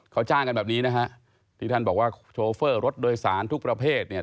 เขาจ้างกันแบบนี้นะฮะที่ท่านบอกว่าโชเฟอร์รถโดยสารทุกประเภทเนี่ย